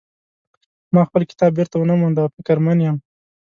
ما خپل کتاب بیرته ونه مونده او فکرمن یم